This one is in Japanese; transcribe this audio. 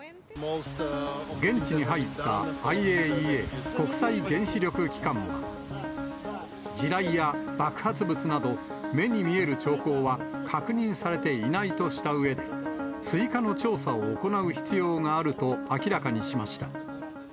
現地に入ったＩＡＥＡ・国際原子力機関は、地雷や爆発物など、目に見える兆候は確認されていないとしたうえで、追加の調査を行う必要があると明らかにしました。